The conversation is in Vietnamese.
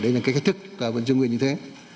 đấy là cái cách thức của vấn chương nguyên như thế